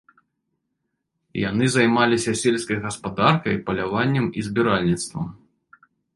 Яны займаліся сельскай гаспадаркай, паляваннем і збіральніцтвам.